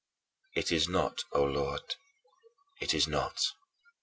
It is not, O Lord, it is not.